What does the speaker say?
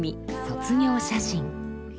「卒業写真」。